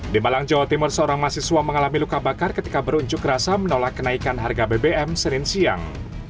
di malang jawa timur seorang mahasiswa mengalami luka bakar ketika berunjuk rasa menolak kenaikan harga bbm senin siang